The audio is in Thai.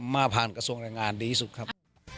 มาผ่านกระทรวงแรงงานดีที่สุดครับ